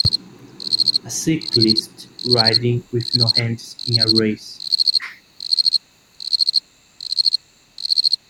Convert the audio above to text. a cyclist riding with no hands in a race.